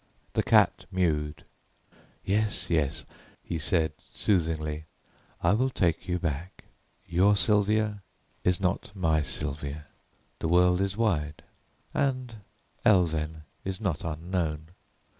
The cat mewed. "Yes, yes," he said soothingly, "I will take you back. Your Sylvia is not my Sylvia; the world is wide and Elven is not unknown.